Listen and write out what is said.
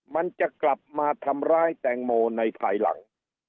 มันจะกลับมาทำร้ายแตงโมในภายหลัง